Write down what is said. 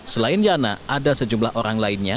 selain yana ada sejumlah orang lainnya